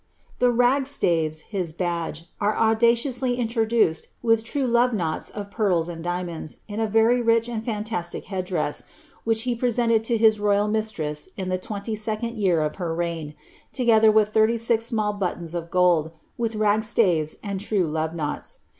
The ragged staves, his badge, are audaciously introduced with true love knots of pearls and diamonds, in a very rich and fantastic head (Iiess, which he presented to his royal mistress in the twenty second fear of her reign, together with thirty six small buttons of gold, with ragged staves and true love knots.